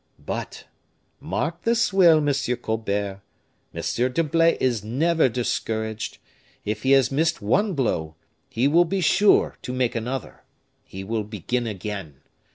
"But, mark this well, M. Colbert. M. d'Herblay is never discouraged; if he has missed one blow, he will be sure to make another; he will begin again.